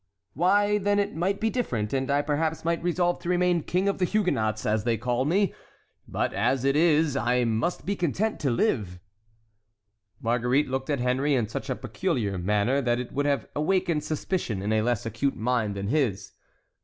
"Why, then, it might be different, and I perhaps might resolve to remain King of the Huguenots, as they call me. But as it is, I must be content to live." Marguerite looked at Henry in such a peculiar manner that it would have awakened suspicion in a less acute mind than his.